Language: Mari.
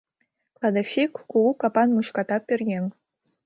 Кладовщик, кугу капан мучката пӧръеҥ.